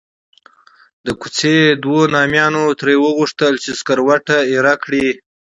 د کوڅې دوو نامیانو ترې وغوښتل چې سکروټه ایره کړي.